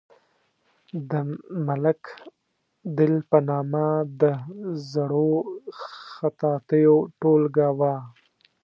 د ملک دل په نامه د زړو خطاطیو ټولګه وه.